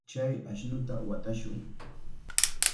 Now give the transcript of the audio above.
Chay ashnuta watashun.